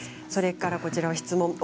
それから、こちらは質問。